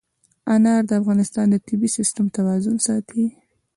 انار د افغانستان د طبعي سیسټم توازن ساتي.